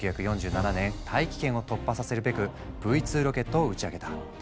１９４７年大気圏を突破させるべくＶ２ロケットを打ち上げた。